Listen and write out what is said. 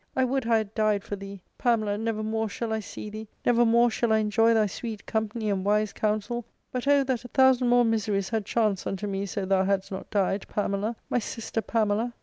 I would I had died for thee ! Pamela, never more shall I see thee ; never more shall I enjoy thy sweet company and wise counsel ! But O that a thousand more miseries had chanced unto me so thou hadst not died, Pamela, my sister Pamela